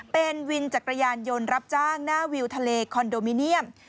เป็นวินจักรยานยนต์รับจ้างหน้าวิวทะเลคอนโดมิเนียม